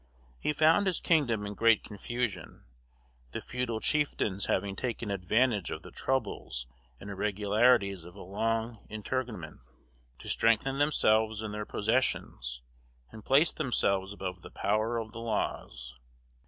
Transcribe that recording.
He found his kingdom in great confusion, the feudal chieftains having taken advantage of the troubles and irregularities of a long interregnum, to strengthen themselves in their possessions, and place themselves above the power of the laws.